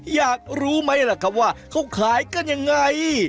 อยากรู้ไหมล่ะครับว่าเขาขายกันยังไง